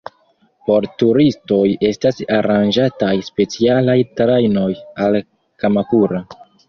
Por turistoj estas aranĝataj specialaj trajnoj al Kamakura.